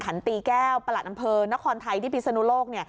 หันตีแก้วประหลัดอำเภอนครไทยที่พิศนุโลก